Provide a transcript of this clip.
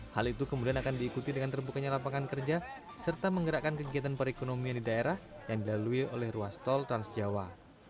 hal itu kemudian akan diikuti dengan terbukanya lapangan kerja serta menggerakkan kegiatan perekonomian di daerah yang dilalui oleh ruas tol trans jawa